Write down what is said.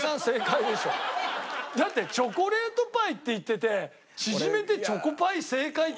だって「チョコレートパイ」って言ってて縮めて「チョコパイ」正解ってさ。